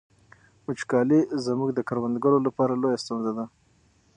وچکالي زموږ د کروندګرو لپاره لویه ستونزه ده.